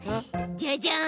じゃじゃん！